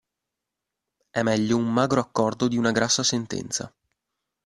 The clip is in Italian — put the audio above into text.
È meglio un magro accordo di una grassa sentenza.